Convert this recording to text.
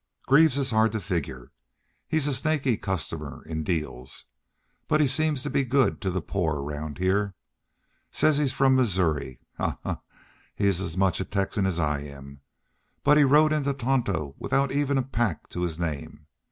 "Greaves is hard to figure. He's a snaky customer in deals. But he seems to be good to the poor people 'round heah. Says he's from Missouri. Ha ha! He's as much Texan as I am. He rode into the Tonto without even a pack to his name.